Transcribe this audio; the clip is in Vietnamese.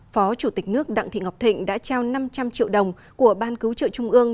phó chủ tịch nước đặng thị ngọc thịnh đã trao năm trăm linh triệu đồng của ban cứu trợ trung ương